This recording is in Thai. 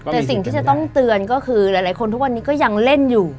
แต่สิ่งที่จะต้องเตือนก็คือหลายคนทุกวันนี้ก็ยังเล่นอยู่